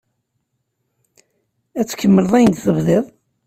Ad tkemmleḍ ayen tebdiḍ?